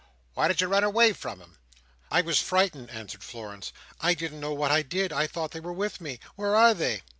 "Why did you run away from 'em?" "I was frightened," answered Florence. "I didn't know what I did. I thought they were with me. Where are they?"